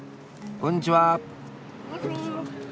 こんにちは。